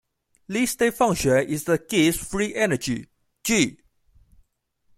This state function is the Gibbs Free Energy, "G".